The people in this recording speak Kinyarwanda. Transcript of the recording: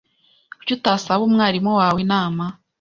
Kuki utasaba umwarimu wawe inama?